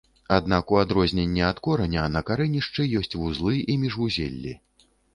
Аднак, у адрозненне ад кораня, на карэнішчы ёсць вузлы і міжвузеллі.